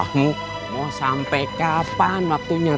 mau sampai kapan waktunya